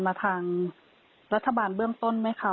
มาทางรัฐบาลเบื้องต้นไหมคะ